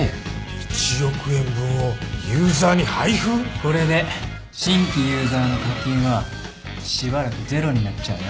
これで新規ユーザーの課金はしばらくゼロになっちゃうな。